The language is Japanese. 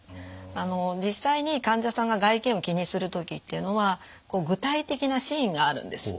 あの実際に患者さんが外見を気にする時っていうのは具体的なシーンがあるんです。